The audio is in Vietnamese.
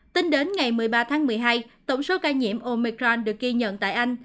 tính đến ngày một mươi ba tháng một mươi hai tổng số ca nhiễm omicron được ghi nhận tại anh